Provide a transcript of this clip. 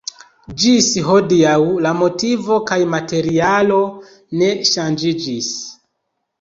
Ĝis hodiaŭ la motivo kaj materialo ne ŝanĝiĝis.